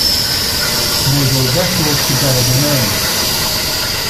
Naval vessel to bear the name.